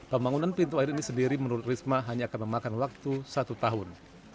pembangunan pintu air ini sendiri menurut risma hanya akan memakan waktu satu tahun